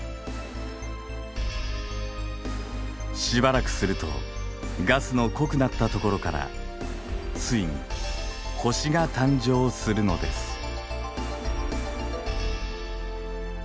しばらくするとガスの濃くなったところからついに星が誕生するのです。